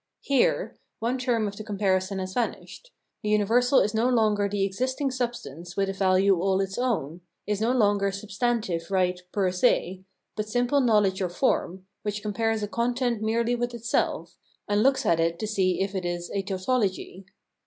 Here one term of the comparison has vanished ; the universal is no longer the existing substance with a value all its own, is no longer substantive right per se, but simple knowledge or form, which compares a content merely with itself, and looks at it to see if it is a tautology.